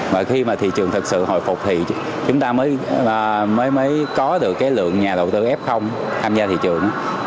mà khi mà thị trường thực sự hồi phục thì chúng ta mới có được cái lượng nhà đầu tư f tham gia thị trường